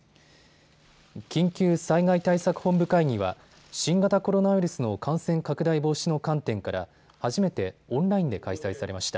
緊急災害対策本部会議は、新型コロナウイルスの感染拡大防止の観点から初めてオンラインで開催されました。